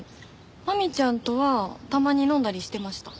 マミちゃんとはたまに飲んだりしてました。